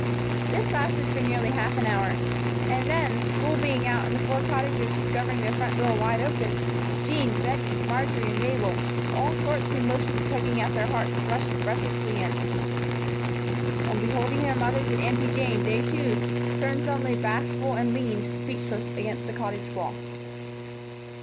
This lasted for nearly half an hour. And then, school being out and the four Cottagers discovering their front door wide open, Jean, Bettie, Marjory and Mabel, all sorts of emotions tugging at their hearts, rushed breathlessly in. On beholding their mothers and Aunty Jane, they, too, turned suddenly bashful and leaned, speechless, against the Cottage wall.